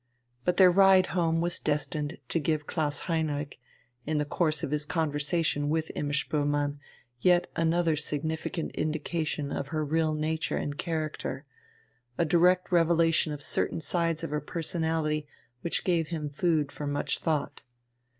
But their ride home was destined to give Klaus Heinrich, in the course of his conversation with Imma Spoelmann, yet another significant indication of her real nature and character, a direct revelation of certain sides of her personality which gave him food for much thought.